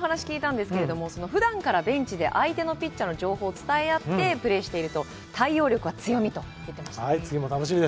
ふだんからベンチで相手のピッチャーの情報を伝え合ってプレーしていると対応力が強みだと言っていました。